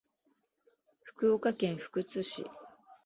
福岡県福津市